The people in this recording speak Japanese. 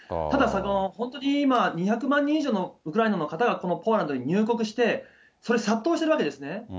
ただ、本当に今、２００万人以上のウクライナの方が、このポーランドに入国して、それで殺到してるわけですね。